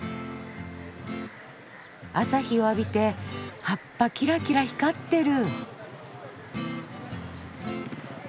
朝日を浴びて葉っぱキラキラ光ってる。